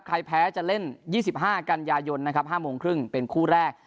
ใครแพ้จะเล่น๒๕กันยายน๕โมงครึ่งเป็นคู่แรก